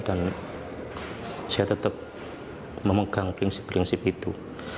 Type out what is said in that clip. dan saya tetap memegang prinsip prinsip itu